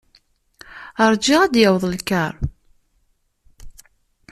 Rjiɣ ad d-yaweḍ lkar.